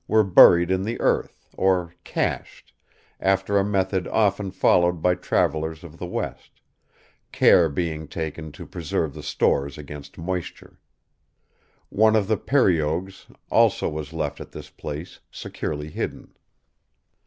were buried in the earth, or "cached," after a method often followed by travelers of the West; care being taken to preserve the stores against moisture. One of the periogues also was left at this place, securely hidden.